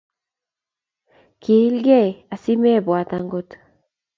Kiikilkei asimaibwat agot